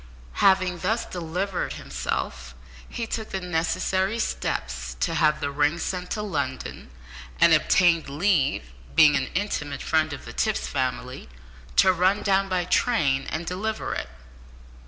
Having thus delivered himself, he took the necessary steps to have the ring sent to London, and obtained leave (being an intimate friend of the Tipps family) to run down by train and deliver it.